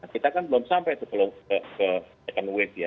kita kan belum sampai sebelum ke second wave ya